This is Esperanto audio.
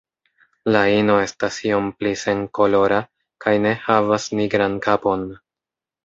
La ino estas iom pli senkolora kaj ne havas nigran kapon.